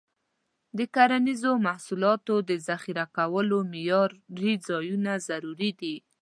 د کرنیزو محصولاتو د ذخیره کولو معیاري ځایونه ضروري دي.